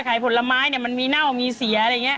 ขายผลไม้มันมีเน่ามีเสียอะไรอย่างนี้